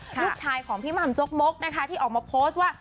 ลูกชายของพี่มหัมจกโม๊กนะครับที่ออกมาโพสต์ว่า